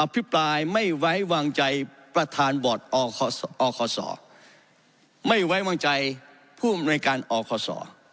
พิปรายไม่ไว้วางใจประธานบอร์ดอคศไม่ไว้วางใจผู้อำนวยการอคศ